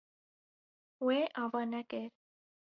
Wê ava nekir.